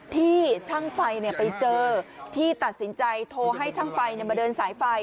ที่ช่างไฟไปเจอที่ตัดสินใจโทรให้ช่างไฟมาเดินสายไฟ